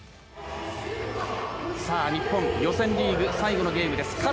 さあ日本予選リーグ最後のゲームです。